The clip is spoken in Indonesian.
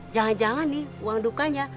jangan jangan nih uang dukanya